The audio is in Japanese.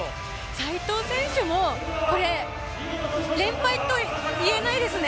斎藤選手も連敗といえないですね。